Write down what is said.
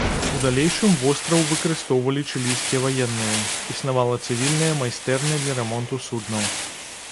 У далейшым востраў выкарыстоўвалі чылійскія ваенныя, існавала цывільная майстэрня для рамонту суднаў.